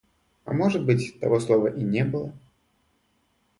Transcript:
А может быть, того слова и не было.